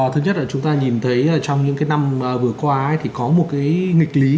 thứ nhất là chúng ta nhìn thấy trong những năm vừa qua thì có một nghịch lý